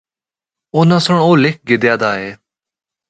اُناں سنڑ او لکھ گدیا دا ہے۔